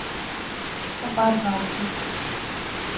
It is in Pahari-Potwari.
او باہر گا اوٹھی